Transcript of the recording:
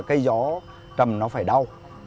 cây gió trầm nó phải đau